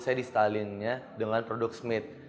saya di stalin nya dengan productsmith